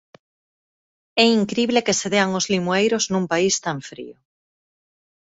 É incrible que se dean os limoeiros nun país tan frío.